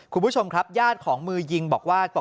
คุณผู้ชมครับยาดของมือยิงบอกว่าปกติแล้ว